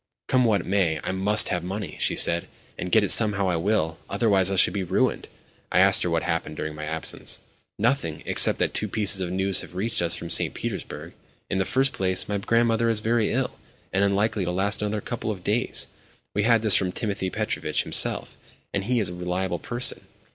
"Come what may, I must have money," she said. "And get it somehow I will—otherwise I shall be ruined." I asked her what had happened during my absence. "Nothing; except that two pieces of news have reached us from St. Petersburg. In the first place, my grandmother is very ill, and unlikely to last another couple of days. We had this from Timothy Petrovitch himself, and he is a reliable person.